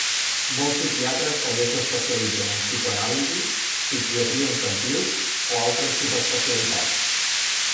Molts psiquiatres també s'especialitzen en psicoanàlisi, psiquiatria infantil o altres subespecialitats.